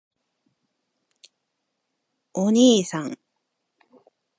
おにいさん！！！